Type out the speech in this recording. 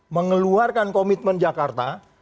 mengeluarkan komitmen jakarta